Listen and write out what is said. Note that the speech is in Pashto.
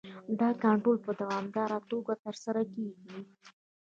دا کنټرول په دوامداره توګه ترسره کیږي.